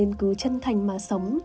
vậy đó nên cứ chân thành mà sống